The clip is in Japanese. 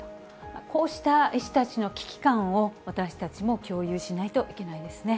こうした医師たちの危機感を、私たちも共有しないといけないですね。